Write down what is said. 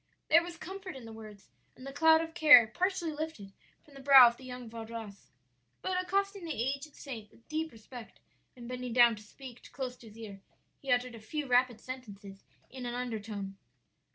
"There was comfort in the words, and the cloud of care partially lifted from the brow of the young Vaudois. But accosting the aged saint with deep respect, and bending down to speak close to his ear, he uttered a few rapid sentences in an undertone.